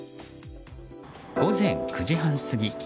午前９時半過ぎ